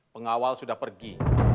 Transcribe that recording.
pengawal sudah pergi